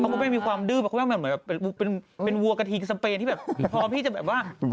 คุณแม่มีความดื้มเหมือนวัวกระทิกสแปนพร้อมที่จะแบบ